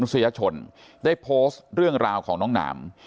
นักศึกธิปนุษยชนได้โพสต์เรื่องราวของน้องนาม